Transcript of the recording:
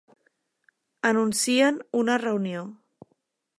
Anuncien una reunió.